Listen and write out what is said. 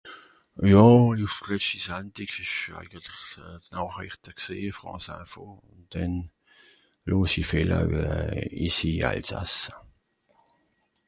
ojà ... s'nàchrìrte gsìn Franceinfos ùn den los'i felle euh ici alsace